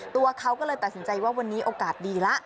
ตัวเขาก็เลยตัดสินใจว่าวันนี้โอกาสดีแล้ว